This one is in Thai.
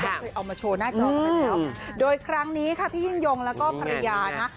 เคยเอามาโชว์หน้าจอกันไปแล้วโดยครั้งนี้ค่ะพี่ยิ่งยงแล้วก็ภรรยานะ